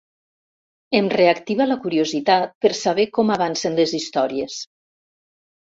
Em reactiva la curiositat per saber com avancen les històries.